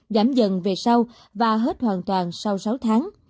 giảm dần về sau và hết hoàn toàn sau sáu tháng